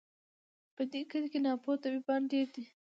په دې کلي کي ناپوه طبیبان ډیر دي